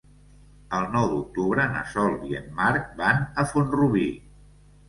El nou d'octubre na Sol i en Marc van a Font-rubí.